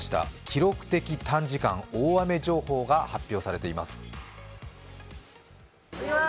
記録的短時間大雨情報が発表されています。